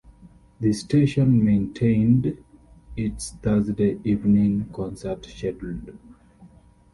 The station maintained its Thursday evening concert schedule.